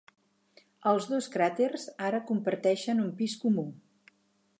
Els dos cràters ara comparteixen un pis comú.